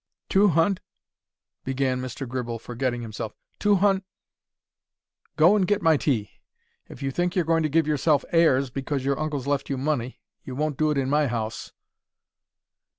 "Two hund—" began Mr. Gribble, forgetting himself. "Two hun——Go and get my tea! If you think you're going to give yourself airs because your uncle's left you money, you won't do it in my house."